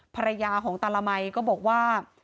ภรรยาของตาละมัยก็บอกว่า